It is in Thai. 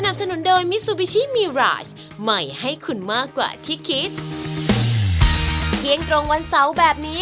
เที่ยงตรงวันเสาร์แบบนี้